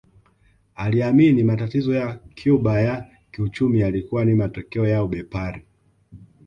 Aliamini matatizo ya Cuba ya kiuchumi yalikuwa ni matokeo ya ubepari